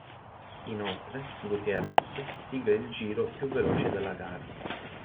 Inoltre, Gutierrez sigla il giro più veloce della gara.